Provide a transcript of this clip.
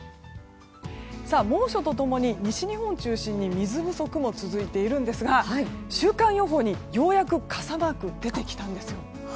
猛暑と共に西日本中心に水不足も続いていますが週間予報にようやく傘マークが出てきたんです。